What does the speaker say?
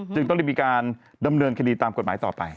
จึงต้องได้มีการดำเนินคดีตามกฎหมายต่อไป